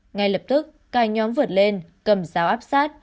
ngay lập tức cả nhóm vượt lên cầm giáo áp sát